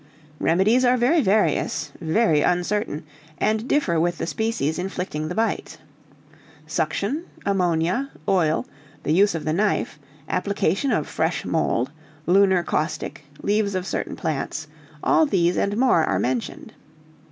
"Remedies are very various, very uncertain, and differ with the species inflicting the bite. "Suction, ammonia, oil, the use of the knife, application of fresh mold, lunar caustic, leaves of certain plants, all these and more are mentioned.